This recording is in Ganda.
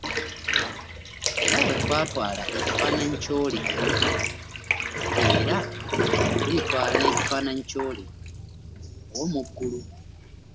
Nga bwe twatwala ekifaananyi ky'oli ow'ettaka, era tulitwala n'ekifaananyi ky'oli ow'omu ggulu.